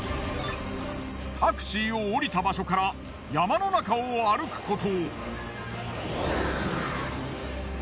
タクシーを降りた場所から山の中を歩くこと。